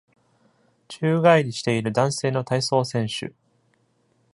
宙返りしている男性の体操選手。